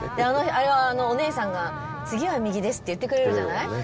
あれはお姉さんが「次は右です」って言ってくれるじゃない？